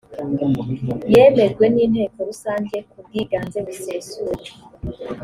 yemejwe n inteko rusange kubwiganze busesuye